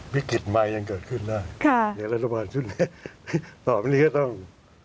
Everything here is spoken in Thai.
วิกฤตใหม่ยังเกิดขึ้นได้ค่ะเดี๋ยวรัฐบาลชุดนี้ต่อไปนี้ก็ต้อง